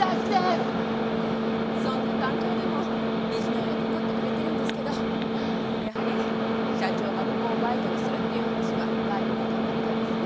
そんな環境でも虹の屋に残ってくれてるんですけどやはり社長がここを売却するっていう話はだいぶこたえたみたいですね。